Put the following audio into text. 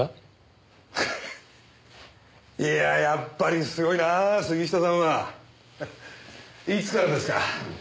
フフいややっぱりすごいなあ杉下さんは。いつからですか？